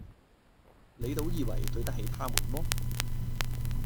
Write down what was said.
你倒以爲對得起他們麼？”